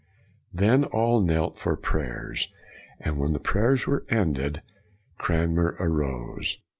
Then all knelt for prayers, and when the prayers were ended, Cranmer arose.